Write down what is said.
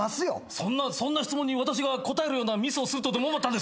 そんなそんな質問に私が答えるようなミスをするとでも思ったんですか！